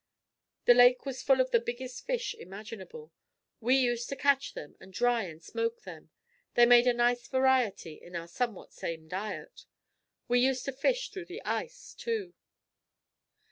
The lake was full of the biggest fish imaginable. We used to catch them, and dry and smoke them. They made a nice variety in our somewhat same diet. We used to fish through the ice, too.